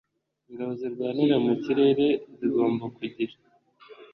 ingabo zirwanira mu kirere zigomba kugira